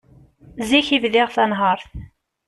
Zik i bdiɣ tanhert.